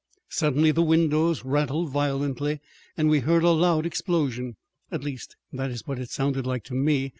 Suddenly the windows rattled violently and we heard a loud explosion; at least that is what it sounded like to me.